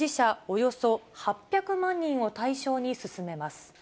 およそ８００万人を対象に進めます。